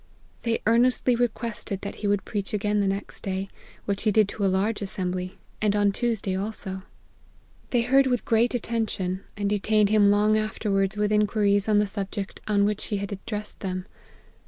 They earnestly requested that he would preach again the next day, which he did to a large assembly ; and on Tuesday also. They heard witft APPENDIX. 211 great attention, and detained him long afterwards with inquiries on the subject on which he had ad dressed them.